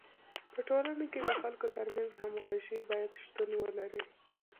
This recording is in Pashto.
په ټولنه کي د خلکو ترمنځ همږغي باید شتون ولري.